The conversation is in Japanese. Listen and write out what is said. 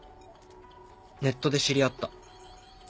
ネットで知り合った。